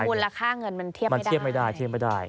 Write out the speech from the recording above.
คือมูลราคาเงินมันเทียบไม่ได้